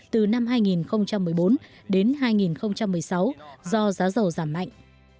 từ năm hai nghìn một mươi bốn đến hai nghìn một mươi sáu do giá dầu giảm mạnh